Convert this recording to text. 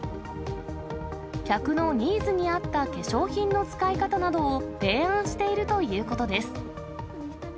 客のニーズに合った化粧品の使い方などを、提案しているということです。